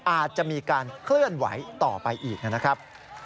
อาจจะมีการเคลื่อนไหวต่อไปอีกนะครับ